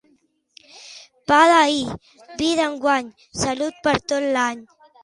Pa d'ahir, vi d'enguany, salut per a tot l'any.